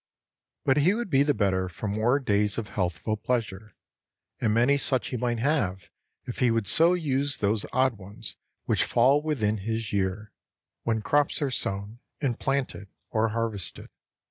But he would be the better for more days of healthful pleasure, and many such he might have if he would so use those odd ones which fall within his year, when crops are sown and planted or harvested.